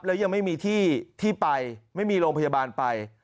แล้วยังไม่มีที่ที่ไปไม่มีโรงพยาบาลไป